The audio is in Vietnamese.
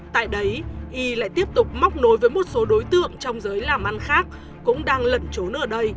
tại đấy y lại tiếp tục móc nối với một số đối tượng trong giới làm ăn khác cũng đang lẩn trốn ở đây